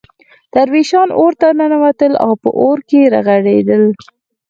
درویشان اورته ننوتل او په اور کې رغړېدل.